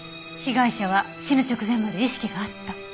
被害者は死ぬ直前まで意識があった。